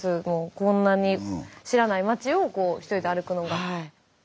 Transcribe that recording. こんなに知らない町をこうひとりで歩くのが。